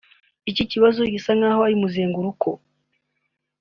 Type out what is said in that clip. Iki kibazo gisa nkaho ari muzunguruka